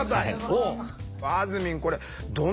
あずみん